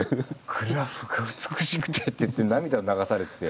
「グラフが美しくて」って言って涙を流されてて。